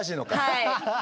はい。